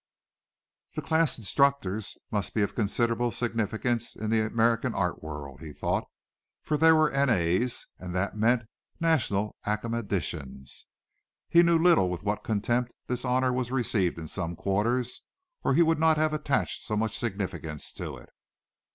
The class instructors must be of considerable significance in the American art world, he thought, for they were N. A.'s, and that meant National Academicians. He little knew with what contempt this honor was received in some quarters, or he would not have attached so much significance to it.